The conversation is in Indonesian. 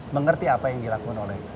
mengerti apa yang dilakukan oleh